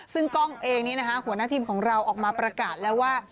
ซึ่งกล้องเองนี้นะคะหัวหน้าทีมของเราออกมาประกาศแล้วว่า